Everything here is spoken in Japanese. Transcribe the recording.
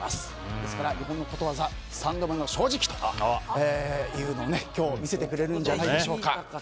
ですから、日本のことわざ三度目の正直というのを今日見せてくれるんじゃないでしょうか。